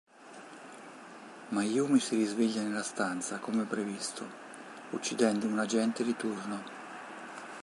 Mayumi si risveglia nella “stanza” come previsto, uccidendo un agente di turno.